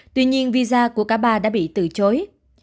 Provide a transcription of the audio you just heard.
tuy nhiên visa của cả ba đã bị từ chối